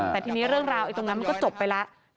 แต่ทีนี้เรื่องราวตรงนั้นมันก็จบไปแล้ว